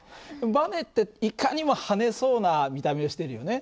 バネっていかにも跳ねそうな見た目をしてるよね。